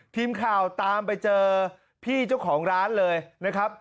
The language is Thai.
ทีมข่าวตามไปเจอพี่เจ้าของร้านเลยนะครับ